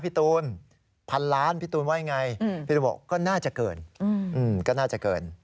พี่ตูนพายังว่าไงอืมเขาบอกก็น่าจะเกินก็น่าจะเกิน